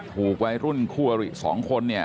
ถูกไว้รุ่นคู่๒คน